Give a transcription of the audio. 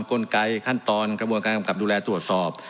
กลไกขั้นตอนขบันการการกำกับดูแลตัวสอบ